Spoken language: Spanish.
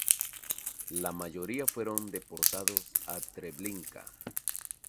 La mayoría fueron deportados a Treblinka.